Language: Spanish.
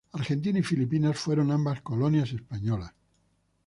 Argentina y Filipinas fueron ambas colonias españolas.